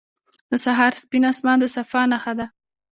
• د سهار سپین آسمان د صفا نښه ده.